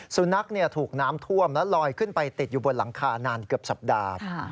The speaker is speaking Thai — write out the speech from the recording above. สุนัขถูกน้ำท่วมและลอยขึ้นไปติดอยู่บนหลังคานานเกือบสัปดาห์